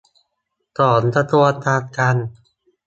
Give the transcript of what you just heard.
ของกระทรวงการคลัง